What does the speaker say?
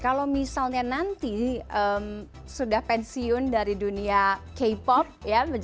kalau misalnya nanti sudah pensiun dari dunia k pop